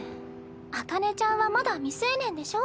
紅葉ちゃんはまだ未成年でしょ。